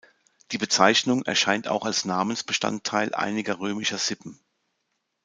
Die Bezeichnung erscheint auch als Namensbestandteil einiger römischer Sippen.